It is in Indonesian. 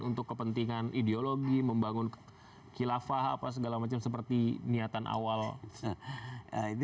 untuk kepentingan ideologi membangun kilafah apa segala macam seperti niatan awal apa seperti itu